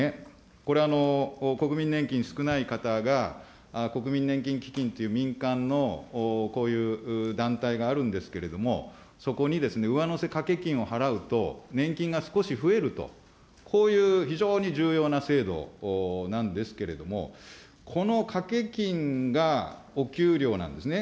これ、国民年金少ない方が国民年金基金という民間のこういう団体があるんですけれども、そこにですね、上乗せかけ金を払うと、年金が少し増えると、こういう非常に重要な制度なんですけれども、この掛け金がお給料なんですね。